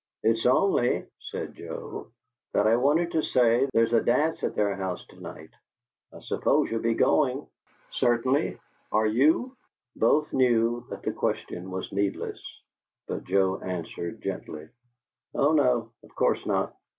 "It's only," said Joe, "that I wanted to say that there's a dance at their house to night. I suppose you'll be going?" "Certainly. Are you?" Both knew that the question was needless; but Joe answered, gently: "Oh no, of course not."